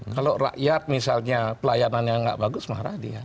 kalau rakyat misalnya pelayanannya nggak bagus marah dia